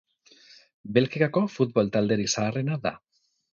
Belgikako futbol talderik zaharrena da.